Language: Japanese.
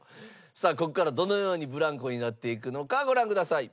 さあここからどのようにブランコになっていくのかご覧ください。